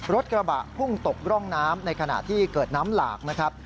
รถกระบะพุ่งตกร่องน้ำในขณะที่เกิดน้ำหลากนะครับ